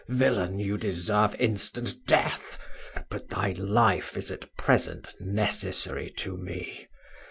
Villain, you deserve instant death; but thy life is at present necessary to me.